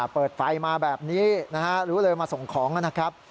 เปิดไฟมาแบบนี้นะฮะรู้เลยมาส่งของนะครับ